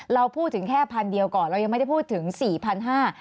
เราพูดถึงแค่พันเดียวก่อนเรายังไม่ได้พูดถึงสี่พันห้า